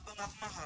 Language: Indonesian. enggak mau tahu